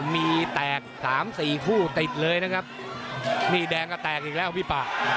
แม่ไปพาดโดนครับ